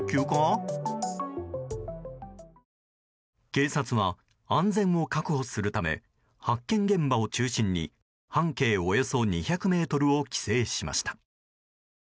警察は、安全を確保するため発見現場を中心に半径およそ２００ｍを規制しました。